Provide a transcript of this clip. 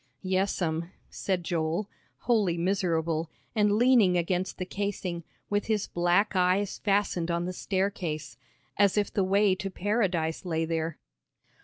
"Yes'm," said Joel, wholly miserable, and leaning against the casing, with his black eyes fastened on the staircase, as if the way to Paradise lay there.